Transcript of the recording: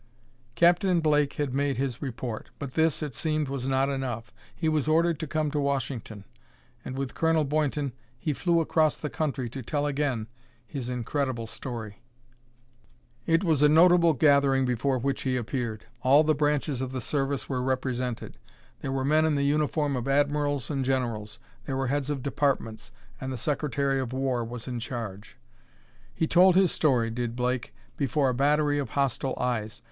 Captain Blake had made his report, but this, it seemed, was not enough. He was ordered to come to Washington, and, with Colonel Boynton, he flew across the country to tell again his incredible story. It was a notable gathering before which he appeared. All the branches of the service were represented; there were men in the uniform of admirals and generals; there were heads of Departments. And the Secretary of War was in charge. He told his story, did Blake, before a battery of hostile eyes.